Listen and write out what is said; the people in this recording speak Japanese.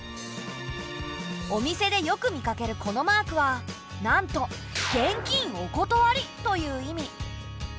お店でよく見かけるこのマークはなんと「現金お断り」という意味。